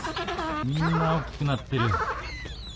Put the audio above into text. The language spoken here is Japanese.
みんな大きくなってる。